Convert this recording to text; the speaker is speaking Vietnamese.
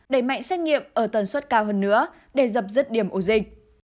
đẩy mạnh xét nghiệm ở tần suất cao hơn nữa để dập dứt điểm ổ dịch